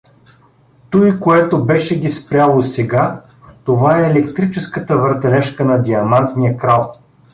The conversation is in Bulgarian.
Туй, което беше ги спряло сега — това е електрическата въртележка на Диамантния крал.